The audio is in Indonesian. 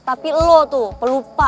tapi lo tuh pelupa